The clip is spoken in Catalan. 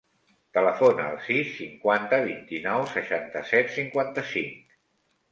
Telefona al sis, cinquanta, vint-i-nou, seixanta-set, cinquanta-cinc.